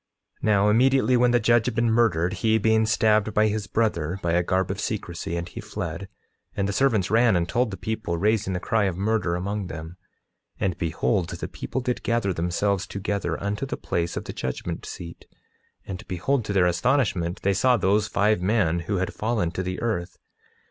9:6 Now, immediately when the judge had been murdered—he being stabbed by his brother by a garb of secrecy, and he fled, and the servants ran and told the people, raising the cry of murder among them; 9:7 And behold the people did gather themselves together unto the place of the judgment seat—and behold, to their astonishment they saw those five men who had fallen to the earth.